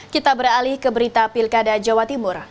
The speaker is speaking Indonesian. kita beralih ke berita pilkada jawa timur